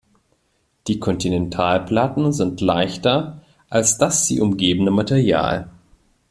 Die Kontinentalplatten sind leichter als das sie umgebende Material.